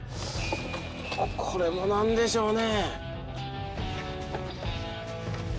これも何でしょうね。